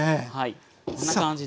こんな感じで。